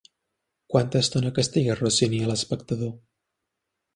Quanta estona castiga Rossini a l'espectador?